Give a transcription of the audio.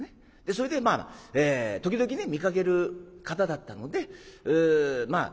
それでまあ時々ね見かける方だったのでまあ